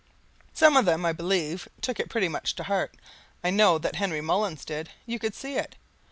Some of them, I believe, took it pretty much to heart. I know that Henry Mullins did. You could see it.